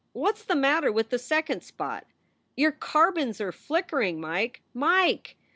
What s the matter with the second spot? Your carbons are flickering. Mike ! Mike